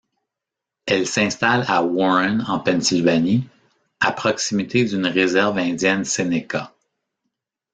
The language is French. Elle s'installe à Warren en Pennsylvanie, à proximité d'une réserve indienne sénéca.